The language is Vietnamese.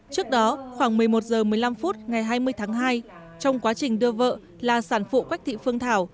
trước đó khoảng một mươi một h một mươi năm phút ngày hai mươi tháng hai trong quá trình đưa vợ là sản phụ quách thị phương thảo